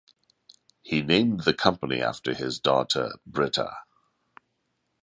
He named the company after his daughter Brita.